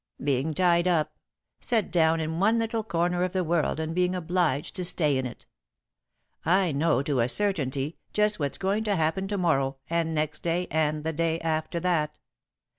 "Being tied up. Set down in one little corner of the world and being obliged to stay in it. I know to a certainty just what's going to happen to morrow and next day and the day after that.